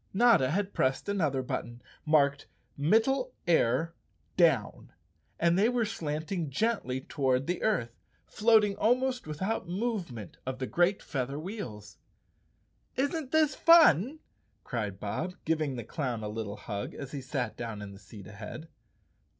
Notta had pressed another button marked "Middle Air—Down," and they were slanting gently toward the earth, floating almost without movement of the great feather wheels. "Isn't this fun?" cried Bob, giving the clown a lit¬ tle hug as he sat down in the seat ahead.